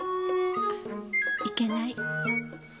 いけない。